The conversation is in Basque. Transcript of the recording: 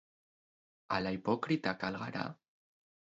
Ala hipokritak al gara?